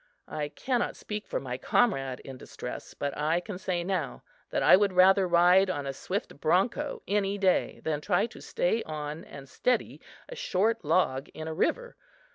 I cannot speak for my comrade in distress, but I can say now that I would rather ride on a swift bronco any day than try to stay on and steady a short log in a river.